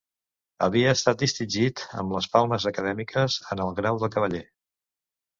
Havia estat distingit amb les palmes acadèmiques en el grau de cavaller.